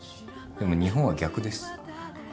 でも日本は逆です。